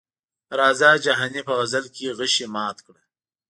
راځه جهاني په غزل کې غشي مات کړه.